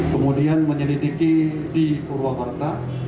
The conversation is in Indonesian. kemudian menyelidiki di polres